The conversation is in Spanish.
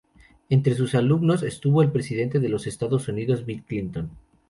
Entre sus alumnos estuvo el Presidente de los Estados Unidos Bill Clinton.